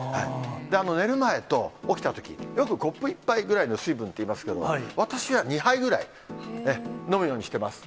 寝る前と起きたとき、よくコップ１杯ぐらいの水分っていいますけど、私は２杯ぐらい、飲むようにしてます。